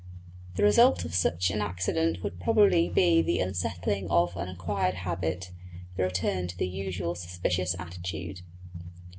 The result of such an accident would probably be the unsettling of an acquired habit, the return to the usual suspicious attitude.